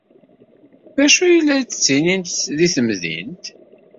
D acu ay la d-ttinin deg temdint?